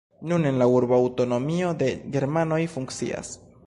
Nun en la urbo aŭtonomio de germanoj funkcias.